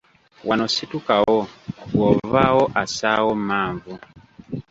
Wano situkawo, bw'ovaawo assaawo mmanvu.